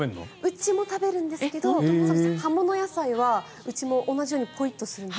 うちも食べるんですけど葉物野菜は、うちも同じようにポイッとするんです。